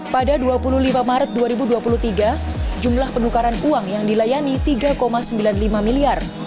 pada dua puluh lima maret dua ribu dua puluh tiga jumlah penukaran uang yang dilayani rp tiga sembilan puluh lima miliar